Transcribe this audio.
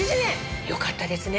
良かったですね